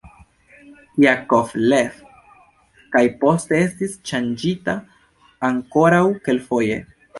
Jakovlev kaj poste estis ŝanĝita ankoraŭ kelkfoje.